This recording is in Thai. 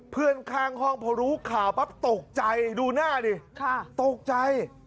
เพื่อนข้างห้องพอรู้ข่าวปั๊บตกใจดูหน้าดิตกใจ